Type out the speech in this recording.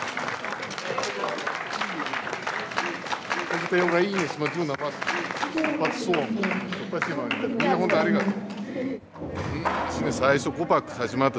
みんなほんとありがとう。